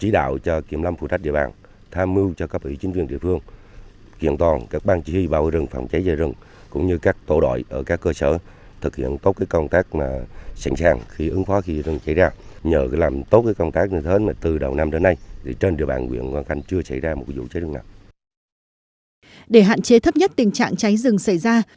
để hạn chế thấp nhất tình trạng cháy rừng xảy ra